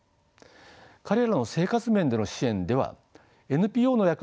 彼らの生活面での支援ではＮＰＯの役割も重要です。